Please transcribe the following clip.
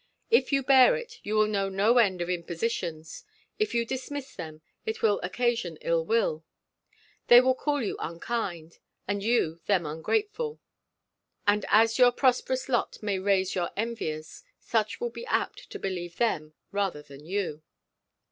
If you bear it, you will know no end of impositions: if you dismiss them, it will occasion ill will. They will call you unkind; and you them ungrateful: and as your prosperous lot may raise you enviers, such will be apt to believe them rather than you.